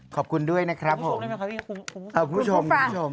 คุณผู้ฟัง